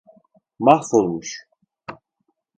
Mahvolmuş.